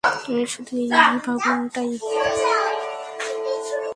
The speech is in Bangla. শুধু এই ভাবনটাই আমার মাথা ঘুরিয়ে দেয়।